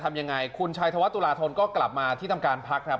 ทำยังไงคุณชัยธวัตุลาธนก็กลับมาที่ทำการพักครับ